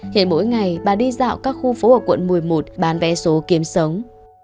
hiện mỗi ngày bà đi dạo các khu phố ở quận một mươi một bán vé số kiếm sống